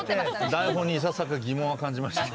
台本にいささか疑問は感じました。